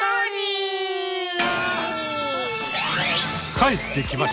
帰ってきました